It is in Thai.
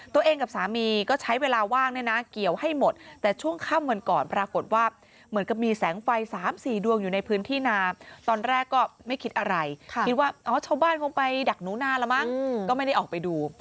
ตัวเองกับสามีก็ใช้เวลาว่างเนี่ยนะเกี่ยวให้หมดแต่ช่วงค่ำวันก่อนปรากฏว่าเหมือนกับมีแสงไฟ๓๔ดวงอยู่ในพื้นที่นาตอนแรกก็ไม่คิดอะไรคิดว่าอ๋อชาวบ้านคงไปดักหนูนาแล้วมั้งก็ไม่ได้ออกไปดู